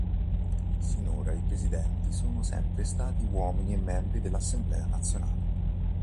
Sinora i presidenti sono sempre stati uomini e membri dell'Assemblea nazionale.